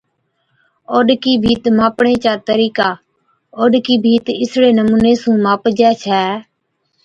اوڏڪِي ڀِيت ماپڻي چا طرِيقا، اوڏڪِي ڀِيت اِسڙي نمُوني سُون ماپجَي ڇَي